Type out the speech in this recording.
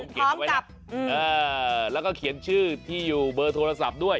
เขียนเอาไว้แล้วแล้วก็เขียนชื่อที่อยู่เบอร์โทรศัพท์ด้วย